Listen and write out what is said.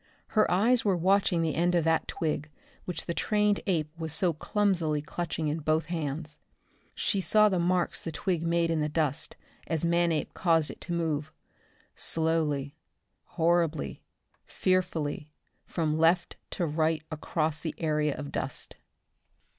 Her eyes were watching the end of that twig which the trained ape was so clumsily clutching in both hands. She saw the marks the twig made in the dust as Manape caused it to move slowly, horribly, fearfully, from left to right across the area of dust.